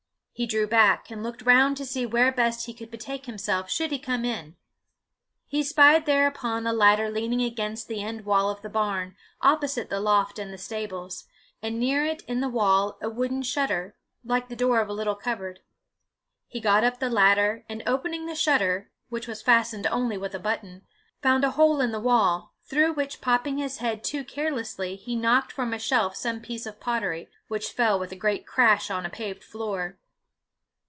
He drew back, and looked round to see where best he could betake himself should he come in. He spied thereupon a ladder leaning against the end wall of the barn, opposite the loft and the stables, and near it in the wall a wooden shutter, like the door of a little cupboard. He got up the ladder, and opening the shutter, which was fastened only with a button, found a hole in the wall, through which popping his head too carelessly, he knocked from a shelf some piece of pottery, which fell with a great crash on a paved floor.